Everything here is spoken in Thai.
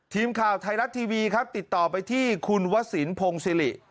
ทีมข่าวไทยรัฐทีวีครับติดต่อไปที่คุณวสินพงศิริ